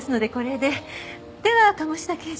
では鴨志田刑事